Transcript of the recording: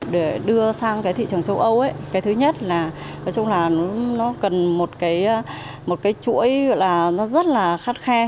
để đưa sang thị trường châu âu thứ nhất là nó cần một cái chuỗi rất là khát khe